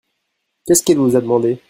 Qu'est-ce qu'elle vous a demandé ?